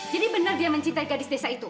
jadi benar dia mencintai gadis desa itu